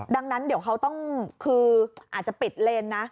ดังนั้นเดี๋ยวเขาต้องคืออาจจะปิดเลนนะ